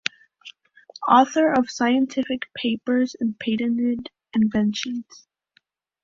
Author of scientific papers and patented inventions.